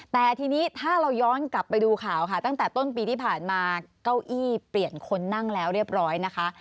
แต่ทีนี้ถ้าเราย้อนกลับไปดูข่าวค่ะตั้งแต่ต้นปีที่ผ่านมาเก้าอี้เปลี่ยนคนนั่งแล้วเรียบร้อยนะคะ